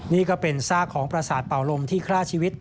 นี่ก็เป็นซากของประสาทเป่าลมที่ฆ่าชีวิต